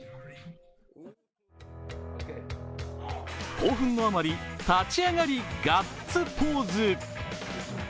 興奮のあまり立ち上がりガッツポーズ。